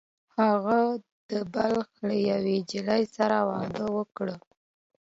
هغه د بلخ له یوې نجلۍ سره واده وکړ